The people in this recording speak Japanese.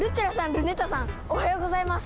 ルネッタさんおはようございます！